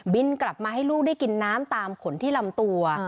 กลับมาให้ลูกได้กินน้ำตามขนที่ลำตัว